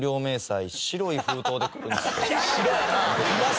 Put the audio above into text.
白やな。